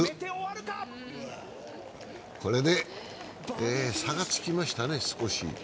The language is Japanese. これで少し差がつきましたね。